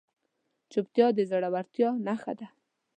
چوپتیا، د زړورتیا نښه ده.